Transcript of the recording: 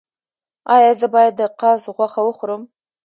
ایا زه باید د قاز غوښه وخورم؟